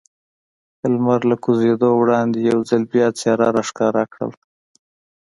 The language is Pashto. لمر له کوزېدو وړاندې یو ځل بیا څېره را ښکاره کړل.